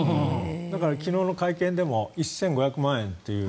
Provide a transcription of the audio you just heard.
だから昨日の会見でも１５００万円という